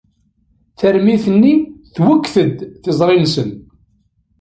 Tarmit-nni twekked-d tiẓri-nnes.